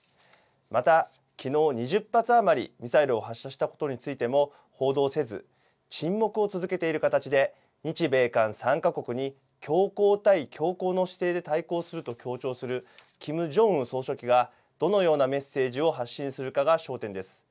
また、きのう、２０発余りミサイルを発射したことについても報道せず、沈黙を続けている形で、日米韓３か国に強硬対強硬の姿勢で対抗すると強調する、キム・ジョンウン総書記が、どのようなメッセージを発信するかが焦点です。